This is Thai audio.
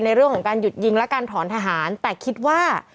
ในเรื่องของการหยุดยิงและการถอนทหารแต่คิดว่า